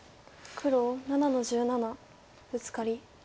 黒７の十七ブツカリ。